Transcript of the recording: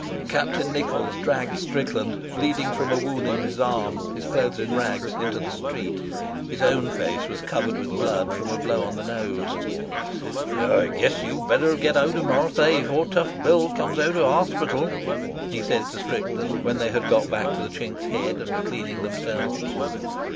Captain Nichols dragged Strickland, bleeding from a wound in his arm, his clothes in rags, into the street. His own face was covered with blood from a blow on the nose. "I guess you'd better get out of Marseilles before Tough Bill comes out of hospital," he said to Strickland, when they had got back to the Chink's Head and were cleaning themselves.